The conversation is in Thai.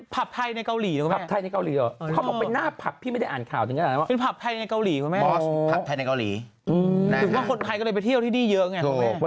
เมื่อกี้ไม่คิดว่าเขาจะกลับมารู้เลยนะ